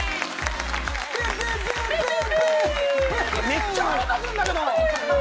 めっちゃ腹立つんだけど！